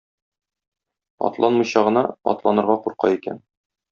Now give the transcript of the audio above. Атланмыйча гына, атланырга курка икән.